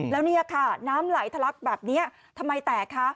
แล้วเนี่ยค่ะน้ำไหลทะลักแบบนี้ทำไมแตกคะ